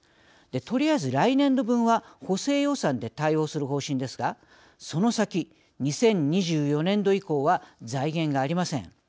とりあえず、来年度分は補正予算で対応する方針ですがその先、２０２４年度以降は財源がありません。